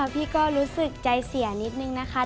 พี่ก็รู้สึกใจเสียนิดนึงนะคะ